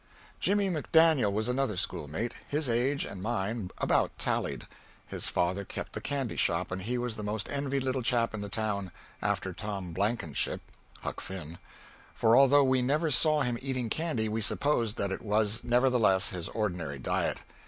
Jimmie McDaniel was another schoolmate. His age and mine about tallied. His father kept the candy shop and he was the most envied little chap in the town after Tom Blankenship ("Huck Finn") for although we never saw him eating candy, we supposed that it was, nevertheless, his ordinary diet.